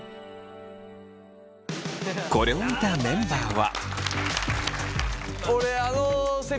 これを見たメンバーは。